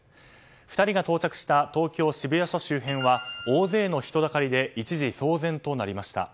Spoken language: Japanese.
２人が到着した東京・渋谷署周辺は大勢の人だかりで一時騒然となりました。